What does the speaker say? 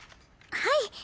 はい。